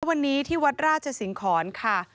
วันนี้ที่วัดราชสิงหอนค่ะ